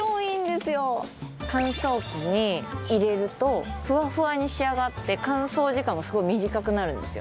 乾燥機に入れるとふわふわに仕上がって乾燥時間もすごい短くなるんですよ